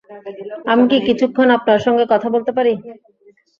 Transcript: আমি কি কিছুক্ষণ আপনার সঙ্গে কথা বলতে পারি?